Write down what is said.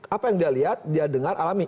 apa yang dia lihat dia dengar alami